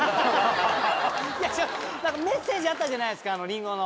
メッセージあったじゃないですかリンゴの。